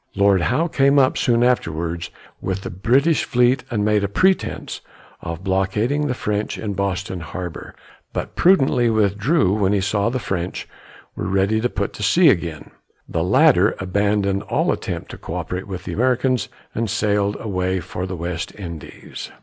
Lord Howe came up, soon afterwards, with the British fleet, and made a pretence of blockading the French in Boston harbor, but prudently withdrew when he saw the French were ready to put to sea again. The latter abandoned all attempt to coöperate with the Americans and sailed away for the West Indies.